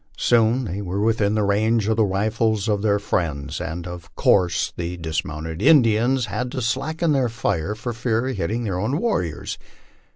Soon they were within the range of the rifles of their friends, and of course the dismounted Indians had to slacken their fire for fear of hitting their own war riors.